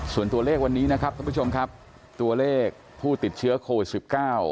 ส่วนตัวเลขวันนี้นะครับท่านผู้ชมครับตัวเลขผู้ติดเชื้อโควิดสิบเก้า